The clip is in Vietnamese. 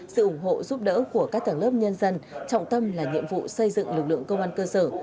sự ủng hộ giúp đỡ của các tầng lớp nhân dân trọng tâm là nhiệm vụ xây dựng lực lượng công an cơ sở